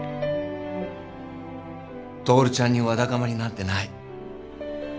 徹ちゃんにわだかまりなんてない。